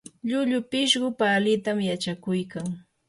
llullu pishqu palita yachakuykan.